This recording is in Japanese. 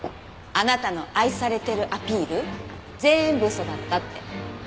あなたの愛されてるアピール全部嘘だったって。